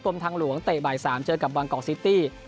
ทางหลวงเตะบ่าย๓เจอกับบางกอกซิตี้